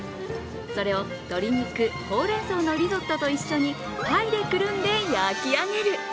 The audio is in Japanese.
それを鶏肉、ほうれんそうのリゾットと一緒にパイでくるんで焼き上げる。